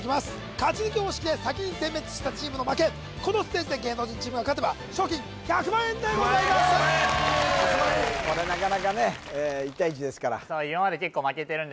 勝ち抜き方式で先に全滅したチームの負けこのステージで芸能人チームが勝てば賞金１００万円でございます・１００万円！